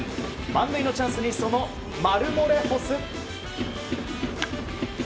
満塁のチャンスにそのマルモレホス。